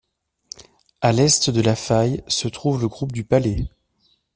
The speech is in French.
À l'est de la faille se trouve le groupe du Palais.